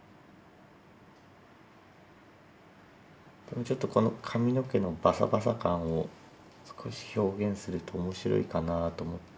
ちょっとこの髪の毛のバサバサ感を少し表現すると面白いかなと思って。